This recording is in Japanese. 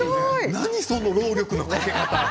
何、その労力のかけ方。